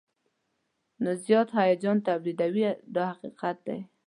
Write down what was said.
نو زیات هیجان تولیدوي دا حقیقت دی.